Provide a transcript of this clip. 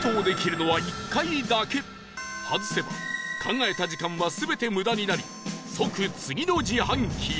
外せば考えた時間は全て無駄になり即次の自販機へ